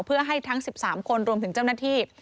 เพื่อให้ทั้ง๑๓คนรวมถึงเจ้าหน้าที่